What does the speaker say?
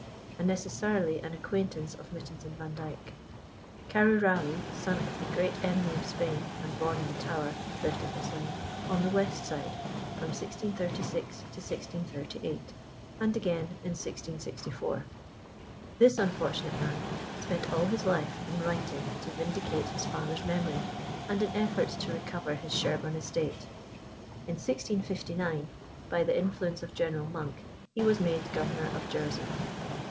and necessarily an acquaintance of Mytens and Vandyke. Carew Raleigh, son of the great enemy of Spain, and born in the Tower, lived in this lane, on the west side, from 1636 to 1638, and again in 1664. This unfortunate man spent all his life in writing to vindicate his father's memory, and in efforts to recover his Sherborne estate. In 1659, by the influence of General Monk, he was made Governor of Jersey.